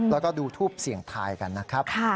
แล้วก็ดูทูปเสี่ยงทายกันนะครับ